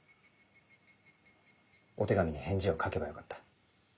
お手紙に返事を書けばよかった。